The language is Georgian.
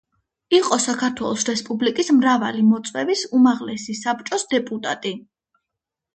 იყო საქართველოს რესპუბლიკის მრავალი მოწვევის უმაღლესი საბჭოს დეპუტატი.